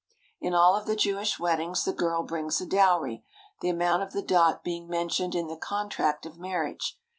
In all of the Jewish weddings the girl brings a dowry, the amount of the dot being mentioned in the contract of marriage.